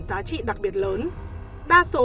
giá trị đặc biệt lớn đa số